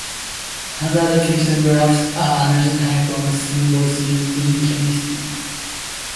Hazard pictographs are another type of symbols used in chemistry.